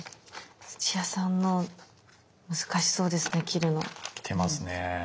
土屋さんの難しそうですね切るの。来てますね。